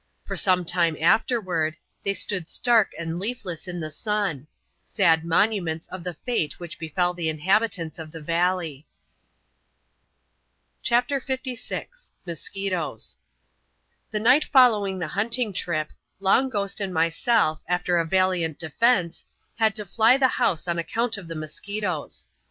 For some time afterward, they stood stark and leafless in the sun ; sad monuments of the fate which befell the inhabitants of the valley. 2U ADVENTURES IN THE SOUTH SEAS. [chap, m. CHAPTER LVI. Musquitoes. The night following the hunting trip, Long Ghost and myself, after a valiant defence, had to flj the house on account of tiie musquitoes.